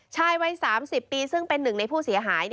ชายวัย๓๐ปีซึ่งเป็นหนึ่งในผู้เสียหาย